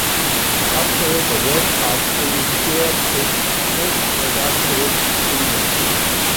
After the World Cup he enjoyed his most productive season.